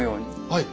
はい。